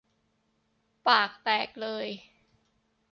ปากแตกเลย